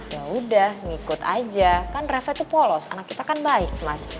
ya udah ngikut aja kan reflek itu polos anak kita kan baik mas